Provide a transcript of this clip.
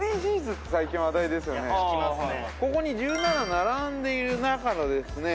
ここに１７並んでいる中のですね